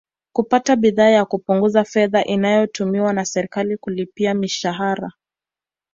Kupata bidhaa na kupunguza fedha inayotumiwa na serikali kulipia mishahara